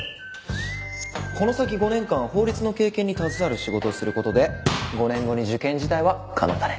この先５年間法律の経験に携わる仕事をする事で５年後に受験自体は可能だね。